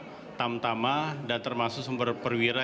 polisi berpangkat bintara tamtama dan termasuk sumber perwira